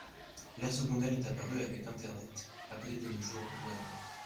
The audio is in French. L’ère secondaire est apparue avec l’internet, appelé de nos jours Web.